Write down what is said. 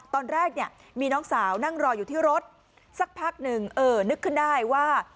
ตอนแรกเนี่ยมีน้องสาวนั่งรออยู่ที่รถสักพักหนึ่งเออนึกขึ้นได้ว่า